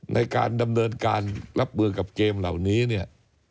ในการดำเนินการรับมือกับเกมเหล่านี้เนี่ย